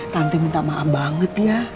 nanti minta maaf banget ya